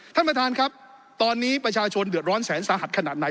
ท่านประธานครับตอนนี้ประชาชนเดือดร้อนแสนสาหัสขนาดไหน